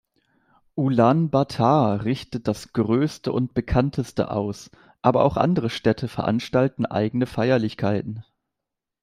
Ulaanbaatar richtet das größte und bekannteste aus, aber auch andere Städte veranstalten eigene Feierlichkeiten.